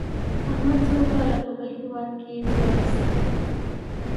احمد څو کاله په بل هېواد کې زیار ایستلی.